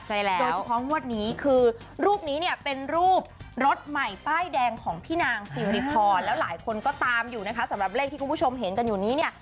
ใช่แล้วโดยเฉพาะงวดนี้คือรูปนี้เนี่ยเป็นรูปรถใหม่ป้ายแดงของพี่นางซิริพรแล้วหลายคนก็ตามอยู่นะคะสำหรับเลขที่คุณผู้ชมเห็นกันอยู่นี้เนี่ย